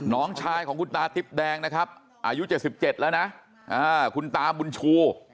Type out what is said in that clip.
น้องชายของคุณตาติ๊บแดงนะครับอายุ๗๗แล้วนะคุณตาบุญชู